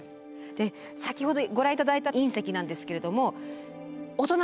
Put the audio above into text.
で先ほどご覧いただいた隕石なんですけれどもお隣を。